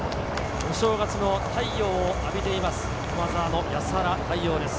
お正月の太陽を浴びています、駒澤の安原太陽です。